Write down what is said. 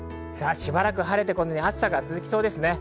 しばらく晴れてこのように暑さが続きそうです。